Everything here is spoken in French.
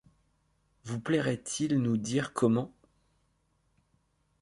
Vous plairait-il nous dire comment ?